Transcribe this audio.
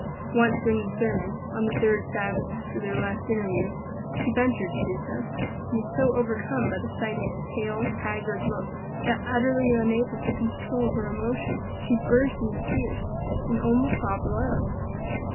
Once during the sermon, on the third Sabbath after their last interview, she ventured to do so, and was so overcome by the sight of his pale, haggard looks, that utterly unable to control her emotion, she burst into tears, and almost sobbed aloud.